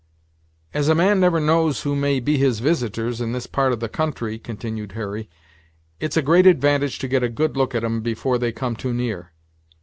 "As a man never knows who may be his visitors, in this part of the country," continued Hurry, "it's a great advantage to get a good look at 'em afore they come too near.